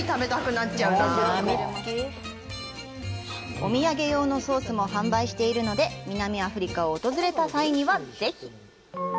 お土産用のソースも販売しているので、南アフリカを訪れた際にはぜひ！